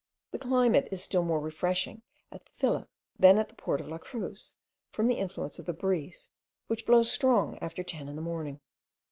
The climate is still more refreshing at the villa than at the port of La Cruz, from the influence of the breeze, which blows strong after ten in the morning.